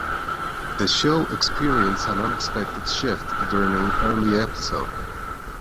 The show experienced an unexpected shift during an early episode.